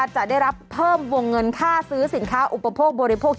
ใช้เมียได้ตลอด